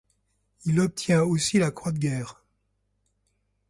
Il obtient aussi la croix de guerre.